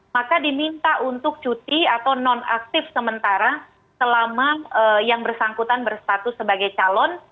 maka diminta untuk cuti atau non aktif sementara selama yang bersangkutan berstatus sebagai calon